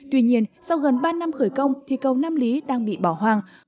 tuy nhiên sau gần ba năm khởi công thi công nam lý đang bị bỏ hoang